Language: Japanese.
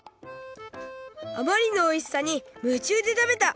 あまりのおいしさにむちゅうで食べた。